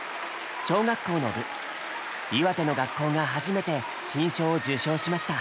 小学校の部岩手の学校が初めて金賞を受賞しました。